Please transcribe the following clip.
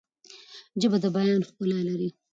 ژبه د بیان ښکلا لري.